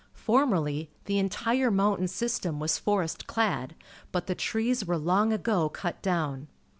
Formerh' the entire mountain system was forest clad, but the trees were long ago cut down.